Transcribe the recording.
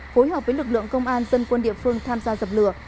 phối hợp với lực lượng công an dân quân địa phương tham gia dập lửa